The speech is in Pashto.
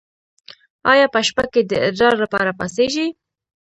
ایا په شپه کې د ادرار لپاره پاڅیږئ؟